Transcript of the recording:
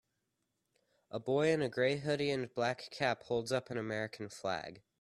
A boy in a gray hoodie and black cap holds up an American flag.